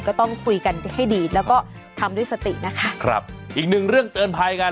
ก็ต้องคุยกันให้ดีแล้วก็ทำด้วยสตินะคะครับอีกหนึ่งเรื่องเตือนภัยกัน